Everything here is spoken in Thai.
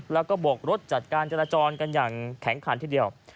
แล้วก็บกรถจัดการจราจรกันอย่างแข็งขันทีเดียว